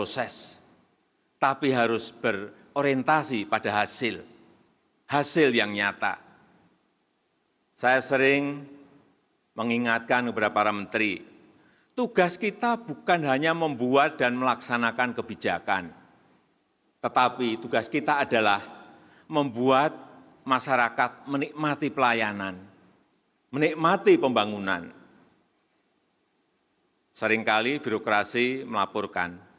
seringkali birokrasi melaporkan